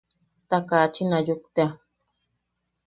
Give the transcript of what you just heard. Ta kachin aayuk tea.